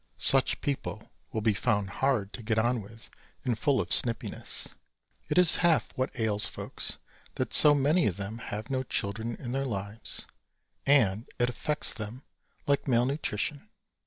Such people will be found hard to get on with and full of snippiness. It is half what ails folks, that so many of them have no children in their lives and it affects them like malnutrition.